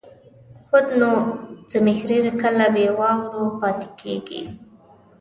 خود نو، زمهریر کله بې واورو پاتې کېږي.